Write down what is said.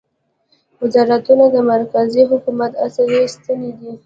وزارتونه د مرکزي حکومت اصلي ستنې دي